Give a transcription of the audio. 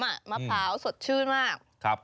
มะพร้าวสดชื่นมาก